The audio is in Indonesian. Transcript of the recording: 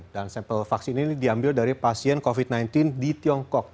dan sampel vaksin ini diambil dari pasien covid sembilan belas di tiongkok